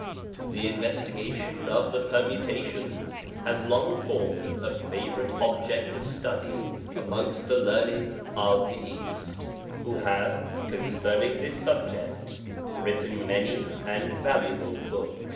THE investigation of the permutations has long formed a favorite object of study amongst the learned of the East ; who have, c0ncernu>g this C ii ) subject, written many and valuable boob.